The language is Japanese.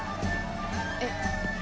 えっ？